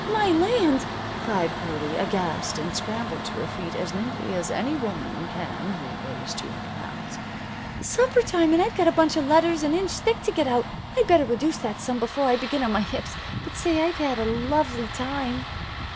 "My land!" cried Pearlie, aghast, and scrambled to her feet as nimbly as any woman can who weighs two hundred pounds. "Supper time, and I've got a bunch of letters an inch thick to get out! I'd better reduce that some before I begin on my hips. But say, I've had a lovely time."